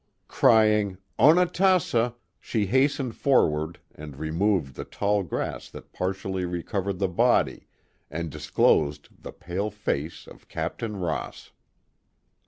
Crying, Onatassa," she hastened forward and removed the tall grass that partially covered the body, and disclosed the pale face of Captain Ross.